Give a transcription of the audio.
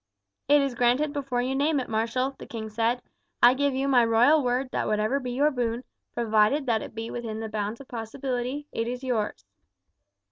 "It is granted before you name it, marshal," the king said. "I give you my royal word that whatever be your boon, provided that it be within the bounds of possibility, it is yours."